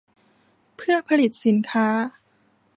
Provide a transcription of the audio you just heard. เพื่อผลิตสินค้า